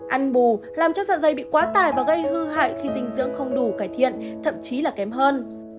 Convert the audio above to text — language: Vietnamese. ăn bù làm cho da dày bị quá tài và gây hư hại khi dinh dưỡng không đủ cải thiện thậm chí là kém hơn